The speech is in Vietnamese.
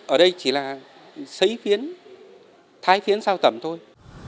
ở đây chỉ là xấy phiến thái phiến sao tẩm thôi